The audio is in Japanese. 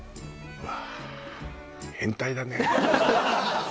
うわ